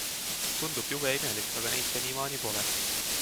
Tundub jube imelik, aga neid senimaani pole.